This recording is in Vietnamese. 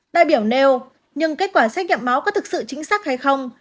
đại biểu nêu nhưng kết quả xét nghiệm máu có thực sự chính xác hay không